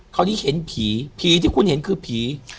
คราวนี้เห็นผีผีที่คุณเห็นคือผี